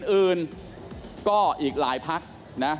อื่นก็อีกหลายพักนะ